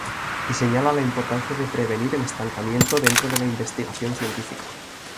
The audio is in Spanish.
Y señala la importancia de prevenir el estancamiento dentro de la investigación científica.